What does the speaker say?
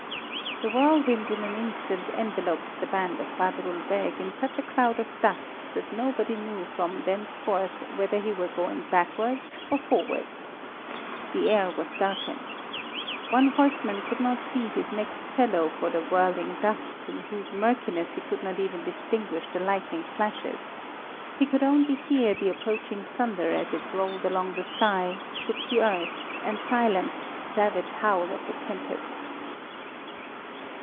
The whirlwind in an instant enveloped the band of Badrul Beg in such a cloud of dust that nobody knew from thenceforth whether he were going backwards or forwards. The air was darkened. One horseman could not see his next fellow for the whirling dust, in whose murkiness he could not even distinguish the lightning flashes, he could only hear the approaching thunder as it rolled along the sky, shook the earth, and silenced the savage howl of the tempest.